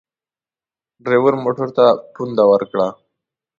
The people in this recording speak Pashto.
ډریور موټر ته پونده ورکړه.